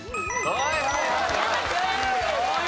はいはいはいはい！